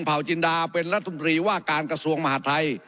ผ่าจินดาเป็นรัฐบุรีว่าการกระทรวงมหาทัย